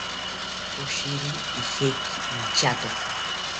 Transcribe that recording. Koshiri ijeki inchatoki